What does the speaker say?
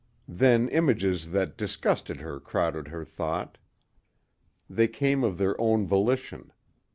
Then images that disgusted her crowded her thought. They came of their own volition.